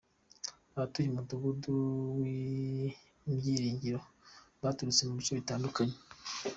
Abatuye Umudugudu w’Ibyiringiro, baturutse mu bice bitandukanye.